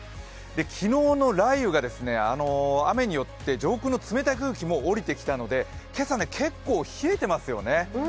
昨日の雷雨が、雨によって上空の冷たい空気もおりてきたので今朝、結構、冷えてますよね。